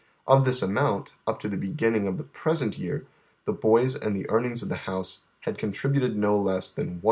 Of this amount, np to the beginning of tlie present year, the boys and the earnings of the house had contributed no less than 1172,776.